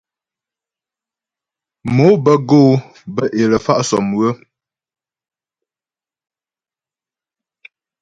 Mò bə́ go'o bə́ é lə fa' sɔ́mywə.